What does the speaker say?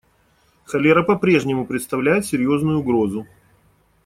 Холера по-прежнему представляет серьезную угрозу.